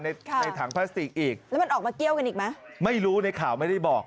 ในในถังพลาสติกอีกแล้วมันออกมาเกี้ยวกันอีกไหมไม่รู้ในข่าวไม่ได้บอก